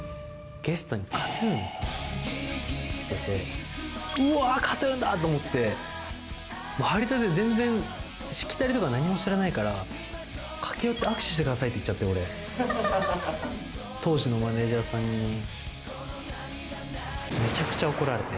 ゲストにＫＡＴ−ＴＵＮさんが来てて、うわ、ＫＡＴ−ＴＵＮだと思って、入りたてで全然しきたりとか、何も知らないから、駆け寄って、握手してくださいって言っちゃって、俺、当時のマネージャーさんにめちゃくちゃ怒られて。